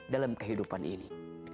dalam kehidupan ini